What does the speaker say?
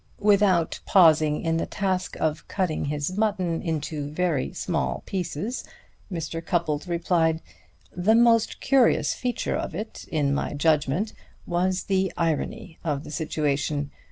Without pausing in the task of cutting his mutton into very small pieces Mr. Cupples replied: "The most curious feature of it, in my judgment, was the irony of the situation.